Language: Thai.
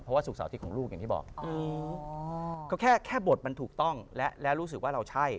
เพราะว่าสุ่งสาวชิดของลูกอย่างที่บอกก็แค่บทมันถูกต้องและรู้สึกว่าเราใช่